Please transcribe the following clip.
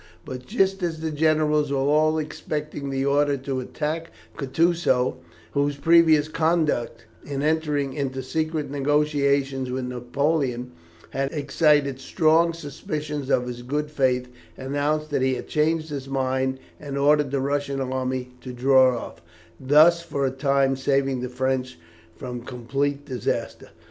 But, just as the generals were all expecting the order to attack, Kutusow, whose previous conduct in entering into secret negotiations with Napoleon had excited strong suspicions of his good faith, announced that he had changed his mind, and ordered the Russian army to draw off, thus for a time saving the French from complete disaster.